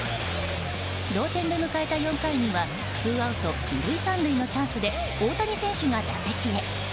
同点で迎えた４回にはツーアウト２塁３塁のチャンスで大谷選手が打席へ。